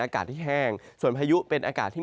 อากาศที่แห้งส่วนพายุเป็นอากาศที่